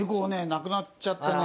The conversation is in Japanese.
亡くなっちゃってね。